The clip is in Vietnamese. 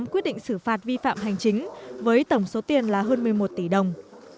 một trăm ba mươi tám quyết định xử phạt vi phạm hành chính với tổng số tiền là hơn một mươi một tỷ đồng